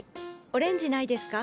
オレンジないですか？